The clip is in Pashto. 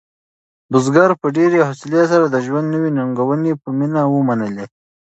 بزګر په ډېرې حوصلې سره د ژوند نوې ننګونې په مینه ومنلې.